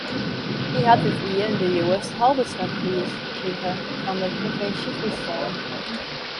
Hy hat dit jier de Joast Halbertsmapriis krige fan de Provinsje Fryslân.